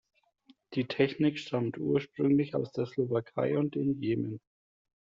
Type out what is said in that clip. Die Technik stammt ursprünglich aus der Slowakei und dem Jemen.